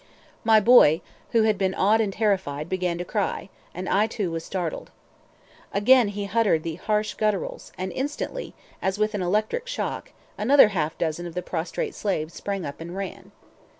My boy, who had been awed and terrified, began to cry, and I too was startled. Again he uttered the harsh gutturals, and instantly, as with an electric shock, another half dozen of the prostrate slaves sprang up and ran.